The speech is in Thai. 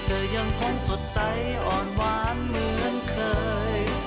ยังคงสดใสอ่อนหวานเหมือนเคย